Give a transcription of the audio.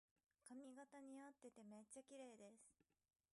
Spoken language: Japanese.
髪型にあっててめっちゃきれいです